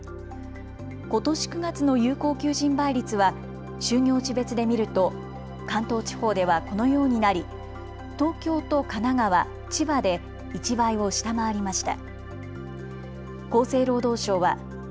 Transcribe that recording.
ことし９月の有効求人倍率は就業地別で見ると関東地方ではこのようになり東京と神奈川、千葉で１倍を下回りました。